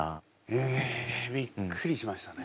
へえびっくりしましたね。